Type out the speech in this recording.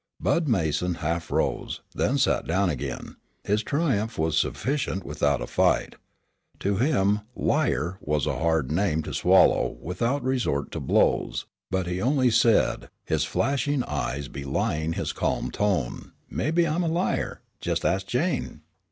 Bud Mason half rose, then sat down again; his triumph was sufficient without a fight. To him "liar" was a hard name to swallow without resort to blows, but he only said, his flashing eyes belying his calm tone, "Mebbe I am a liar, jest ast Jane."